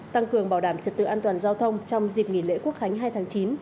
tăng cường bảo đảm trật tự an toàn giao thông trong dịp nghỉ lễ quốc khánh hai tháng chín